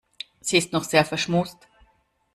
Sie ist noch sehr verschmust.